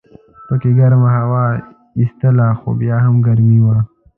پکې ګرمه هوا ایستله خو بیا هم ګرمي وه.